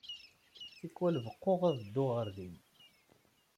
Tikkal, beɣɣuɣ ad dduɣ ɣer din.